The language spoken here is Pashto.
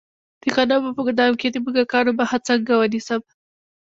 د غنمو په ګدام کې د موږکانو مخه څنګه ونیسم؟